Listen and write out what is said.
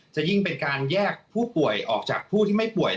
จะยิ่งเป็นการแยกผู้ป่วยออกจากผู้ที่ไม่ป่วย